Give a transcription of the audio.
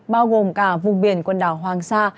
bao gồm cả vùng biển quần đảo hoàng sa